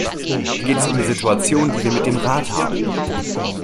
Hier geht es um die Situation, die wir mit dem Rat haben.